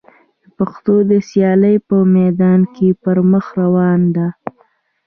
پښتو د سیالۍ په میدان کي پر مخ روانه ده.